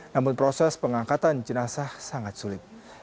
namun proses pengangkatan jenazah sangat sulit